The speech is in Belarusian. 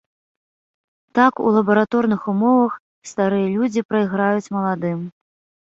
Так, у лабараторных умовах старыя людзі прайграюць маладым.